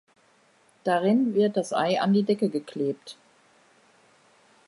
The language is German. Darin wird das Ei an die Decke geklebt.